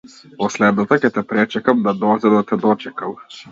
Во следната ќе те пречекам, на нозе да те дочекам.